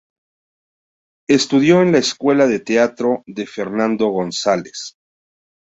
Estudió en la Escuela de Teatro de Fernando González.